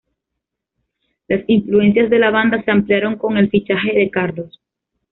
Las influencias de la banda se ampliaron con el fichaje de Carlos.